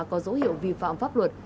có dấu hiệu vi phạm pháp luật